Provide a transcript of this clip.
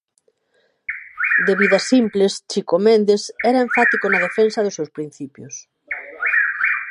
De vida simples, Chico Mendes era enfático na defensa dos seus principios.